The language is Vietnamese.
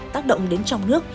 tác động đến trong nước